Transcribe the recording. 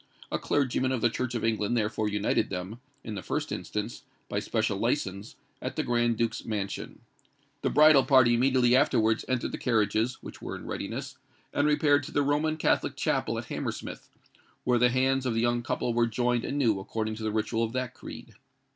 A clergyman of the Church of England therefore united them, in the first instance, by special licence, at the Grand Duke's mansion. The bridal party immediately afterwards entered the carriages, which were in readiness, and repaired to the Roman Catholic chapel at Hammersmith, where the hands of the young couple were joined anew according to the ritual of that creed.